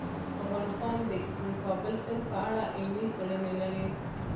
افغانستان د د کابل سیند په اړه علمي څېړنې لري.